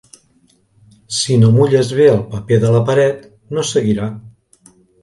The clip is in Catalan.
Si no mulles bé el paper de la paret, no seguirà.